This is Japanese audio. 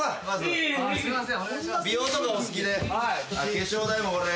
化粧台もこれ。